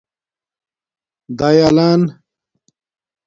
دایلَن